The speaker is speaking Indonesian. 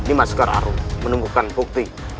ima sekar arung menemukan bukti